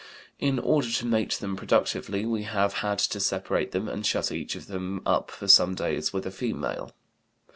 In order to mate them productively we have had to separate them and shut each of them up for some days with a female."